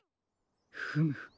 フム。